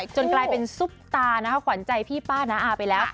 จนกลายเป็นซุปตานะคะขวัญใจพี่ป้าน้าอาไปแล้ว